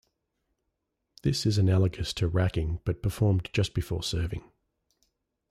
This is analogous to racking, but performed just before serving.